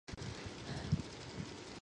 そこに痺れる憧れる